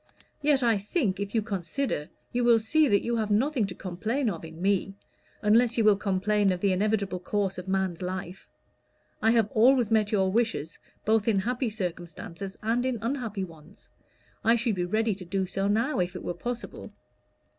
Yet I think, if you consider, you will see that you have nothing to complain of in me, unless you will complain of the inevitable course of man's life. I have always met your wishes both in happy circumstances and in unhappy ones. I should be ready to do so now, if it were possible."